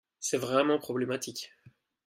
C'est vraiment problématique.